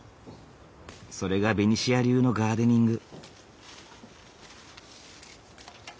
それがベニシア流のガーデニング。